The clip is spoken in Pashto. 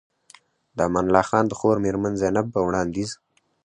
د امان الله خان د خور مېرمن زينب په وړانديز